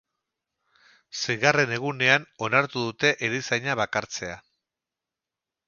Seigarren egunean onartu dute erizaina bakartzea.